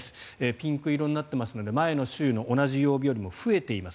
ピンク色になっているので前の週の同じ曜日より増えています。